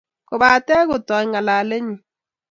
Kobate kotoi ngalalenyi